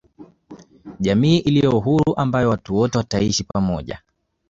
jamii iliyo huru ambayo watu wote wataishi pamoja